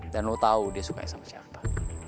dan lo tau dia sukanya sama siapa